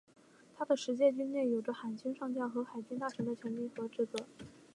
他的实际军阶有着海军上将和海军大臣的权力和职责。